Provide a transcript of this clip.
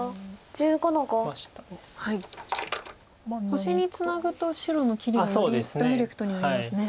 星にツナぐと白の切りがよりダイレクトになりますね。